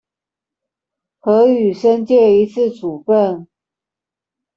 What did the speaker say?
核予申誡一次處分